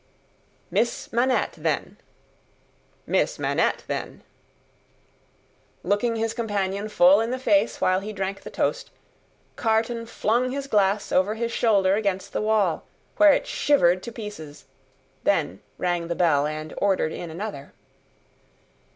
"Miss Manette, then!" "Miss Manette, then!" Looking his companion full in the face while he drank the toast, Carton flung his glass over his shoulder against the wall, where it shivered to pieces; then, rang the bell, and ordered in another.